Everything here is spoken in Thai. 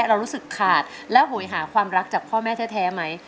เรารู้สึกขาดและโหยหาความรักจากพ่อแม่แท้ไหม